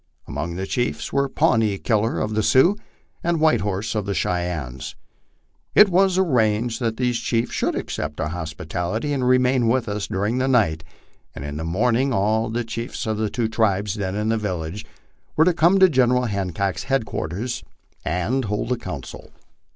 Among the chiefs were Pawnee Killer of the Sioux, and White Horse of the Cheyennes. It was arranged that these chiefs should accept our hospitality and remain with us during the night, and in the morning all the chiefs of the two tribes then in the village were to come to General Hancock's headquarters and hold a council.